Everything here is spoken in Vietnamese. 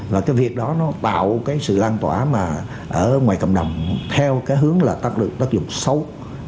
và cái việc đó nó tạo cái sự lan tỏa mà ở ngoài cộng đồng theo cái hướng là tác lực tác dụng xấu